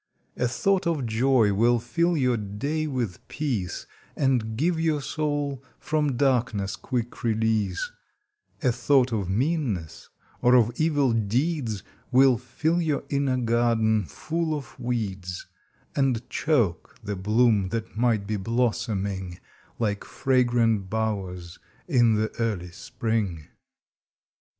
A Thought of Joy will fill your day with Peace, And give your Soul from darkness quick release; A Thought of Meanness, or of Evil Deeds, Will fill your inner Garden full of Weeds, And choke the Bloom that might be blos soming Like fragrant bowers in the early spring.